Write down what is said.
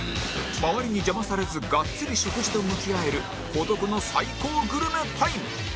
周りに邪魔されずガッツリ食事と向き合える孤独の最高グルメタイム